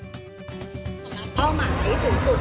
สำหรับเป้าหมายสูงสุด